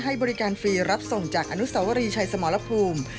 ให้บริการฟรีรับส่งจากอนุสาวรีชัยสมรภูมิ